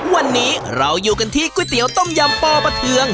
วันนี้เราอยู่กันที่ก๋วยเตี๋ยวต้มยำปอประเทือง